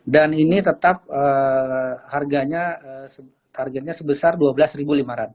dan ini tetap harganya sebesar rp dua belas lima ratus